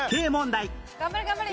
頑張れ頑張れ。